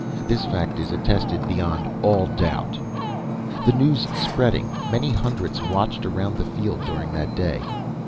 This fact is attested beyond all doubt. "The news spreading, many hundreds watched around the field during that day.